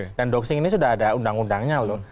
jadi doxing ini sudah ada undang undangnya loh